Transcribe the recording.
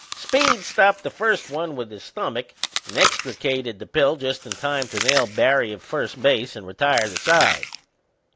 Speed stopped the first one with his stomach and extricated the pill just in time to nail Barry at first base and retire the side.